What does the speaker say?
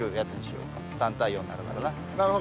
３対４になるからな。